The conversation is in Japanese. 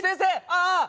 ああ！